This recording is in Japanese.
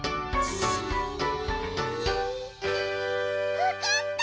わかった！